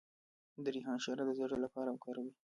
د ریحان شیره د زړه لپاره وکاروئ